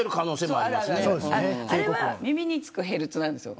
あれは耳につくヘルツなんです。